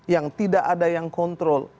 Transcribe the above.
yang tidak ada yang kontrol